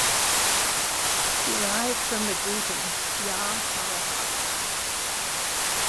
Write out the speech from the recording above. Derived from the greeting Ya Fara-Fara?